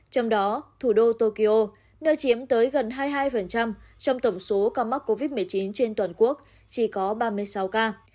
trong đó thủ đô tokyo nơi chiếm tới gần hai mươi hai trong tổng số ca mắc covid một mươi chín trên toàn quốc chỉ có ba mươi sáu ca